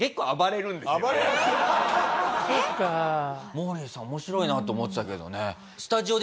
モーリーさん面白いなと思ってたけどね。